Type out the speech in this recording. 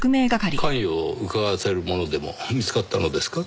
関与をうかがわせるものでも見つかったのですか？